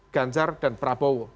ganjar dan prabowo